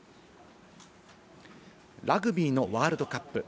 ラグビーのワールドカップ。